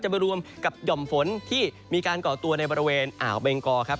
มารวมกับหย่อมฝนที่มีการก่อตัวในบริเวณอ่าวเบงกอครับ